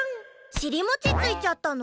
しりもちついちゃったの？